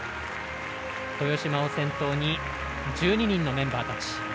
豊島を先頭に１２人のメンバーたち。